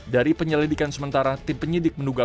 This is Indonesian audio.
dari penyelidikan sementara tim penyidik menduga